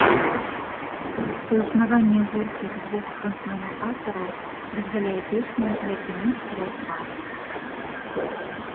Суіснаванне ў гурце двух фронтмэнаў-аўтараў дазваляе песням як бы мець свой твар.